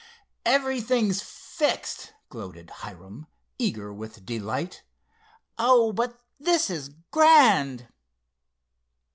"Everything's fixed!" gloated Hiram, eager with delight. "Oh, but this is grand!"